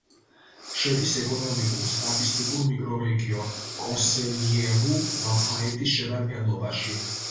შედის ეკონომიკურ-სტატისტიკურ მიკრორეგიონ კონსელიეირუ-ლაფაეტის შემადგენლობაში.